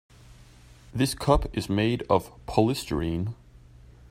This cup is made of polystyrene.